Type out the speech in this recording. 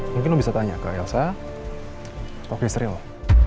mungkin bisa tanya ke elsa oke serius